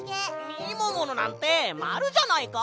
みもものなんてまるじゃないか！